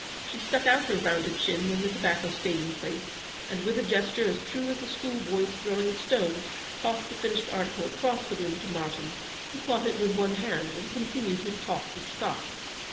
She stuck out her rounded chin when the tobacco stayed in place, and, with a gesture as true as a school boy's throwing a stone, tossed the finished article across the room to Martyn, who caught it with one hand, and continued his talk with Scott.